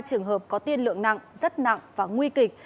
có ba trường hợp có tiên lượng nặng rất nặng và nguy kịch